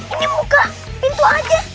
ini buka pintu aja